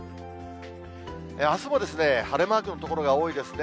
あすも晴れマークの所が多いですね。